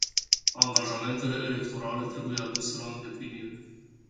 Angajamentele electorale trebuie aduse la îndeplinire.